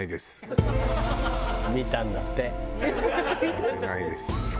見てないです。